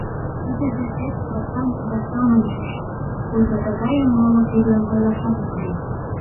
Тидыже пеш простан да сылнын чучо, пуйто тыгайым моло тӱрлын ойлашат ок лий.